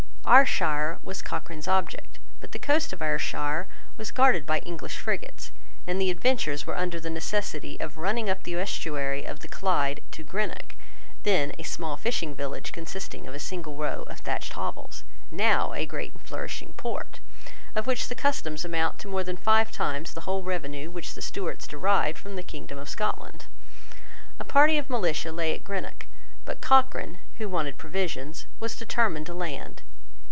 Ayrshire was Cochrane's object: but the coast of Ayrshire was guarded by English frigates; and the adventurers were under the necessity of running up the estuary of the Clyde to Greenock, then a small fishing village consisting of a single row of thatched hovels, now a great and flourishing port, of which the customs amount to more than five times the whole revenue which the Stuarts derived from the kingdom of Scotland. A party of militia lay at Greenock: but Cochrane, who wanted provisions, was determined to land.